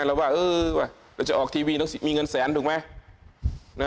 เราจะออกทีวีต้องมีเงินแสนถูกไหม